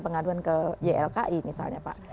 pengaduan ke ylki misalnya pak